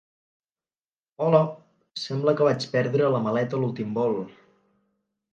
Hola, sembla que vaig perdre la maleta a l'últim vol.